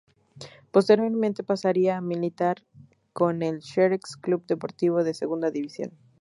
Posteriormente pasaría a militar con el Xerez Club Deportivo de Segunda División.